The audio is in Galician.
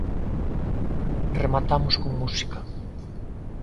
Rematamos con música.